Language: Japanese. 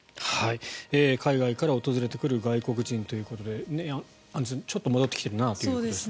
海外から訪れてくる外国人ということでアンジュさん、ちょっと戻ってきているなということですね。